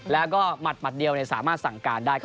แล้วก็หมัดเดียวสามารถสั่งการได้